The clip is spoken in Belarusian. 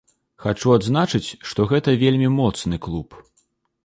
Хачу адзначыць, што гэта вельмі моцны клуб.